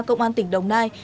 công an tỉnh đồng nai